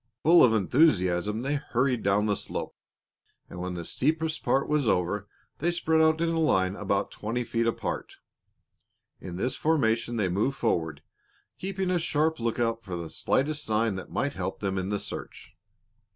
Full of enthusiasm, they hurried down the slope, and when the steepest part was over they spread out in a line about twenty feet apart. In this formation they moved forward, keeping a sharp lookout for the slightest sign that might help them in the search.